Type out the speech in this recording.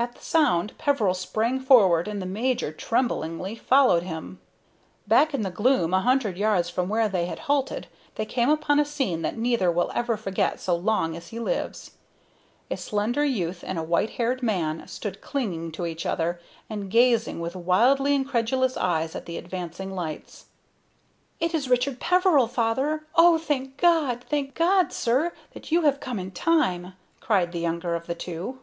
At the sound Peveril sprang forward, and the major tremblingly followed him. Back in the gloom, a hundred yards from where they had halted, they came upon a scene that neither will ever forget so long as he lives. A slender youth and a white haired man stood clinging to each other, and gazing with wildly incredulous eyes at the advancing lights. "It is Richard Peveril, father! Oh, thank God! Thank God, sir, that you have come in time!" cried the younger of the two.